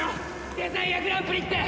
デザイアグランプリって！